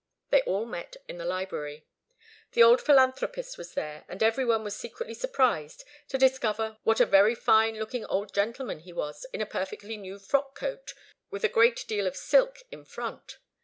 They all met in the library. The old philanthropist was there, and every one was secretly surprised to discover what a very fine looking old man he was in a perfectly new frock coat with a great deal of silk in front.